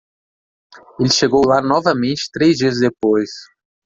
Ele chegou lá novamente três dias depois.